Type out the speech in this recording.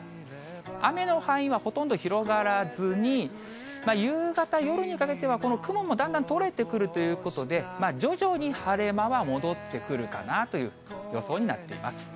雨の範囲はほとんど広がらずに、夕方、夜にかけては、この雲もだんだん取れてくるということで、徐々に晴れ間は戻ってくるかなという予想になっています。